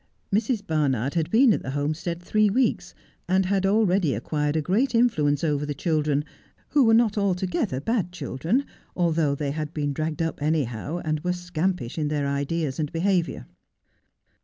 Mrs. Barnard had been at the Homestead three weeks, and had already acquired a great influence over the children, who were not altogether bad children, although they had been dragged up anyhow, and were scampish in their ideas and behaviour.